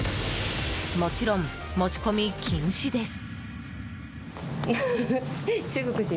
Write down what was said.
もちろん、持ち込み禁止です。